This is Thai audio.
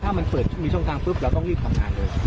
ถ้ามันเปิดมีช่องทางปุ๊บเราต้องรีบทำงานเลย